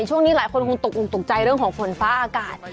ช่วงนี้หลายคนคงตกออกตกใจเรื่องของฝนฟ้าอากาศ